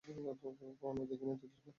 কখনও দেখিনি তোদেরকে।